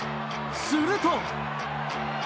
すると。